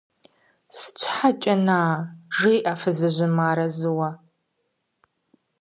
– Сыт щхьэкӀэ-на? – жеӀэ фызыжьым мыарэзыуэ.